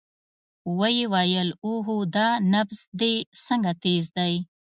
ويې ويل اوهو دا نبض دې څنګه تېز دى.